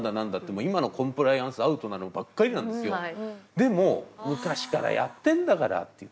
でも昔からやってんだからっていう。